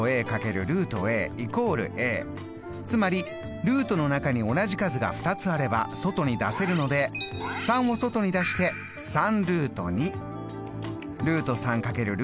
つまりルートの中に同じ数が２つあれば外に出せるので３を外に出して３。